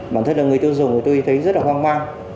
bản thân là người tiêu dùng thì tôi thấy rất hoang mang